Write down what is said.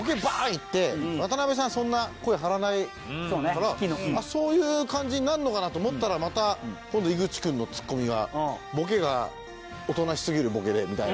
いって渡辺さんそんな声張らないからそういう感じになるのかなと思ったらまた今度井口君のツッコミがボケがおとなしすぎるボケでみたいな。